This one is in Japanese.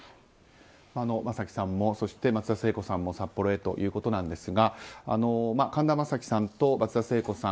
正輝さんも、松田聖子さんも札幌へということなんですが神田正輝さんと松田聖子さん